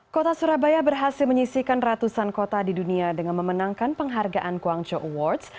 kota surabaya berhasil menyisikan ratusan kota di dunia dengan memenangkan penghargaan guangzhou awards